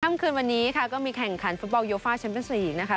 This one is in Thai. ท่ามคืนวันนี้ก็มีแข่งขันฟุตบอลโยฟ่าเชมป์๔อีกนะครับ